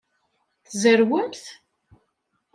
Tzerrwemt?